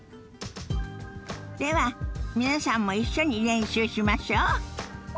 では皆さんも一緒に練習しましょ。